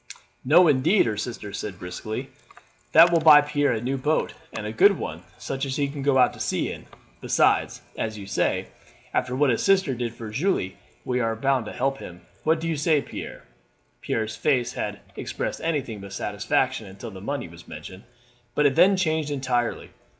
"No, indeed," her sister said briskly; "that will buy Pierre a new boat, and a good one, such as he can go out to sea in; besides, as you say, after what his sister did for Julie we are bound to help them. What do you say, Pierre?" Pierre's face had expressed anything but satisfaction until the money was mentioned, but it then changed entirely.